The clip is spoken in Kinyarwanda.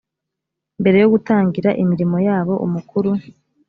mbere yo gutangira imirimo yabo umukuru